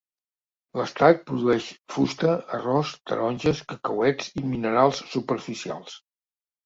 L'estat produeix fusta, arròs, taronges, cacauets i minerals superficials.